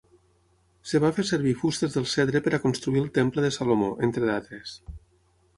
Es va fer servir fustes del cedre per construir el temple de Salomó, entre d'altres.